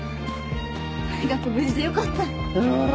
とにかく無事でよかった。